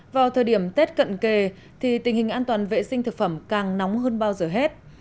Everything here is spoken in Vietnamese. vào thời điểm tết cận kề thì tình hình an toàn vệ sinh thực phẩm càng nóng hơn bao giờ hết